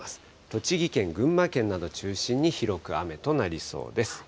栃木県、群馬県など中心に広く雨となりそうです。